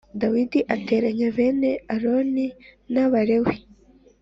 Dawidi ateranya bene aroni n abalewi